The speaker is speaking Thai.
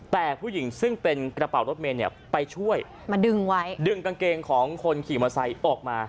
แต่ผู้หญิงซึ่งเป็นกระเป๋ารถเมย์เนี่ยไปช่วยมาดึงไว้ดึงกางเกงของคนขี่มอเตอร์ไซค์ออกมา